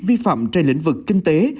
vi phạm trên lĩnh vực kinh tế